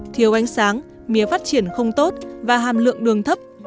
thiếu ánh sáng mía phát triển không tốt và hàm lượng đường thấp